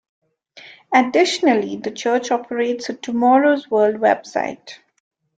Additionally, the church operates a "Tomorrow's World" website.